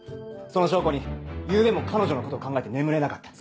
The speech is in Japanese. その証拠に昨夜も彼女のことを考えて眠れなかった。